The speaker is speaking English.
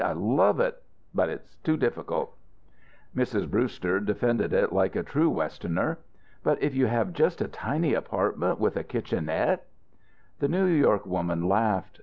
I love it. But it's too difficult." Mrs. Brewster defended it like a true Westerner. "But if you have just a tiny apartment, with a kitchenette " The New York woman laughed.